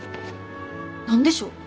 何でしょう？